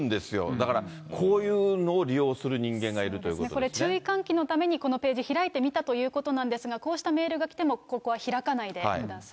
だから、こういうのを利用する人これ、注意喚起のためにこのページ開いてみたということなんですが、こうしたメールが来ても、ここは開かないでください。